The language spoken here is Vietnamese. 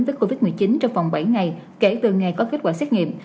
với covid một mươi chín trong vòng bảy ngày kể từ ngày có kết quả xét nghiệm